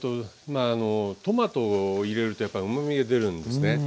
トマトを入れるとやっぱりうまみが出るんですね。